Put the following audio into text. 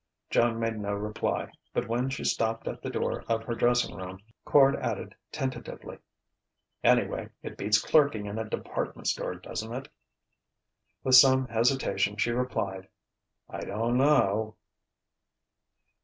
Joan made no reply, but when she stopped at the door of her dressing room, Quard added tentatively: "Anyway, it beats clerking in a department store, doesn't it?" With some hesitation she replied: "I don't know...."